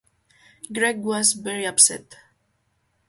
Greg was very upset.